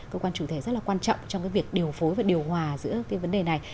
cơ quan chủ thể rất là quan trọng trong cái việc điều phối và điều hòa giữa cái vấn đề này